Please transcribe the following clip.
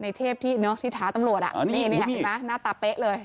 ในเทพที่ท้าตำรวจนี่แหละหน้าตาเป๊ะเลย